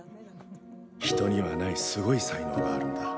人にはないすごい才能があるんだ。